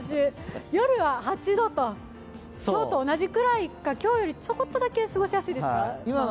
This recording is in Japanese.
夜は８度と、昨日と同じくらいか、今日よりちょこっとだけ過ごしやすいですか。